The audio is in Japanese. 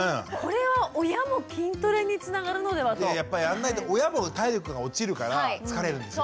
やっぱやんないと親も体力が落ちるから疲れるんですよ。